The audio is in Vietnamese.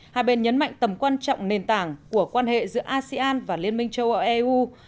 hai bên nhấn mạnh tầm quan trọng nền tảng của quan hệ giữa asean và liên minh châu âu eu